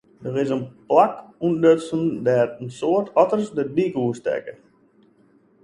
Der is in plak ûntdutsen dêr't in soad otters de dyk oerstekke.